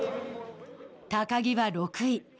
高木は６位。